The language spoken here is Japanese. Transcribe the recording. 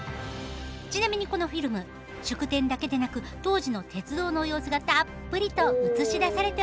ちなみにこのフィルム祝典だけでなく当時の鉄道の様子がたっぷりと映し出されております。